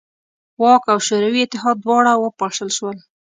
واک او شوروي اتحاد دواړه وپاشل شول.